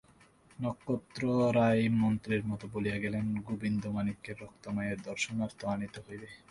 নক্ষত্ররায় মন্ত্রের মতো বলিয়া গেলেন, গোবিন্দমাণিক্যের রক্ত মায়ের দর্শনার্থ আনিতে হইবে।